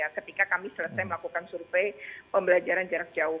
ketika kami selesai melakukan survei pembelajaran jarak jauh